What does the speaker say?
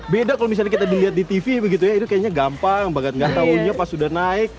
beda kalau misalnya kita dilihat di tv begitu ya itu kayaknya gampang bahkan nggak tahunya pas sudah naik